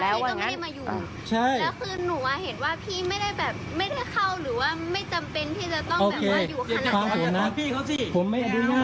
แล้วคือหนูเห็นว่าพี่ไม่ได้เข้าหรือว่าไม่จำเป็นที่จะต้องอยู่ขนาดนั้น